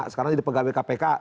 sekarang jadi pegawai kpk